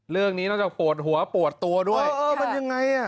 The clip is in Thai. เรื่องนี้น่าจะโปรดหัวโปรดตัวด้วยเออเออมันยังไงอ่ะ